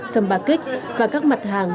sâm ba kích và các mặt hàng